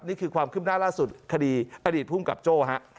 นี่คือความขึ้นหน้าล่าสุดคดีประดิษฐ์ภูมิกับโจ้